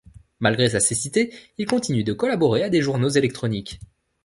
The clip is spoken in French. Malgré sa cécité, il continue de collaborer à des journaux électroniques.